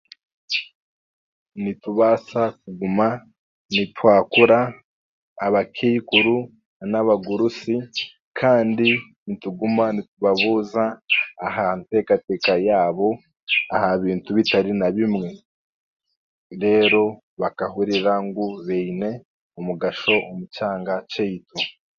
Nitubaasa kuguma nitwakura abakaikuru n'abagurusi kandi nituguma nitubabuuza aha nteekateeka yaabo aha bintu bitari na bimwe reero bakahurira ngu biine omugasho omu kyanga kyaitu.